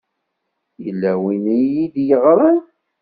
Yella win ay iyi-d-yeɣran?